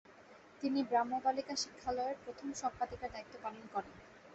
তিনি ব্রাহ্ম বালিকা শিক্ষালয়ের প্রথম সম্পাদিকার দায়িত্ব পালন করেন।